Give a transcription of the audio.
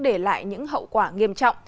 để lại những hậu quả nghiêm trọng